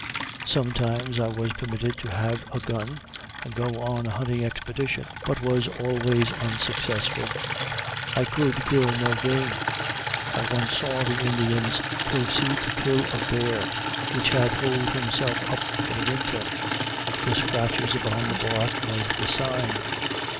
Sometimes I was permitted to have a gun, and go on a hunting expedition, but was always unsuccessful I could kill no game. I once saw the Indians proceed to kill a bear which had holed himself up for the winter. The scratches upon the bark was the sign.